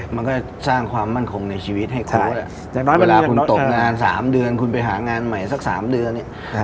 มันก็สร้างความมั่นคงในชีวิตให้โค้ดเวลาคุณตกงาน๓เดือนคุณไปหางานใหม่สัก๓เดือนเนี่ย